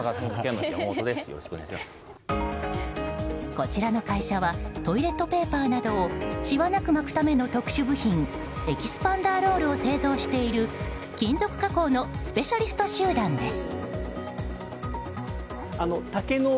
こちらの会社はトイレットペーパーなどをしわなく巻くための特殊部品エキスパンダーロールを製造している金属加工のスペシャリスト集団です。